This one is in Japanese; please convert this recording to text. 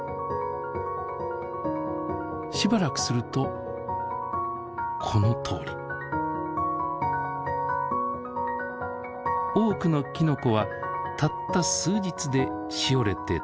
しばらくするとこのとおり。多くのきのこはたった数日でしおれて倒れてしまいます。